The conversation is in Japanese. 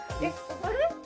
あれ？